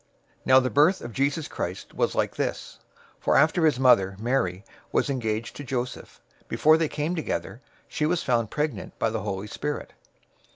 001:018 Now the birth of Jesus Christ was like this; for after his mother, Mary, was engaged to Joseph, before they came together, she was found pregnant by the Holy Spirit.